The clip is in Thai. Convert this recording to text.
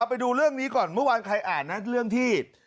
ไปดูเรื่องนี้ก่อนเมื่อวานใครอ่านนะเรื่องที่